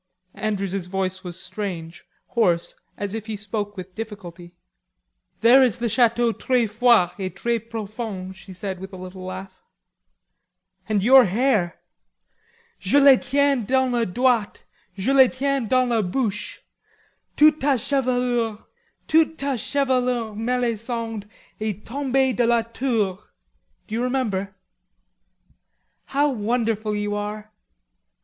Andrews's voice was strange, hoarse, as if he spoke with difficulty. "There is the chateau tres froid et tres profond," she said with a little laugh. "And your hair. 'Je les tiens dans les doits, je les tiens dans la bouche.... Toute ta chevelure, toute ta chevelure, Melisande, est tombee de la tour.... D'you remember?" "How wonderful you are."